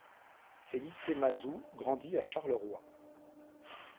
Felice Mazzù grandit à Charleroi.